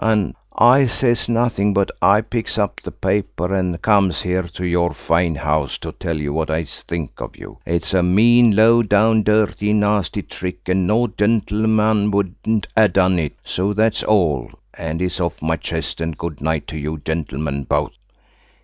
An I says nothing, but I picks up the paper, and comes here to your fine house to tell you what I think of you. It's a mean low down, dirty, nasty trick, and no gentleman wouldn't a done it. So that's all–and it's off my chest, and good night to you gentlemen both!"